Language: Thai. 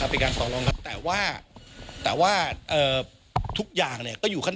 แผงบริษัทวารับหลัอรศรัย